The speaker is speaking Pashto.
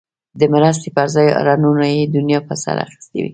د مرستې پر ځای هارنونو یې دنیا په سر اخیستی وي.